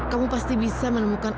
kamu pasti bisa menemukan